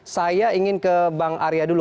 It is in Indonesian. saya ingin ke bang arya dulu